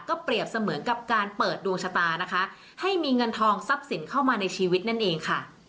เปรียบเสมือนกับการเปิดดวงชะตานะคะให้มีเงินทองทรัพย์สินเข้ามาในชีวิตนั่นเองค่ะ